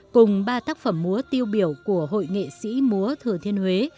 cùng ba tác phẩm múa tiêu biểu của hội nghệ sĩ múa thừa thiên huế